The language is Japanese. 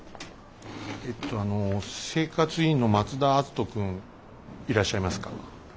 えっとあの生活委員の松田篤人君いらっしゃいますか？